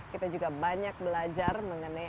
kita juga banyak belajar mengenai